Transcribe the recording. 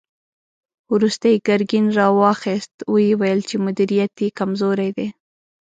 وروسته يې ګرګين را واخيست، ويې ويل چې مديريت يې کمزوری دی.